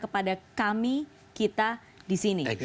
kepada kami kita disini